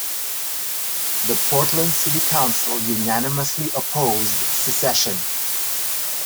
The Portland City Council unanimously opposed secession.